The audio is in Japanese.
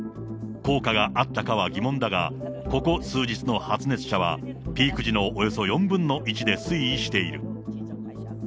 効果があったかは疑問だが、ここ数日の発熱者は、ピーク時のおよそ４分の１で推移している。